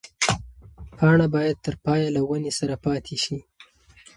پاڼه باید تر پایه له ونې سره پاتې شي.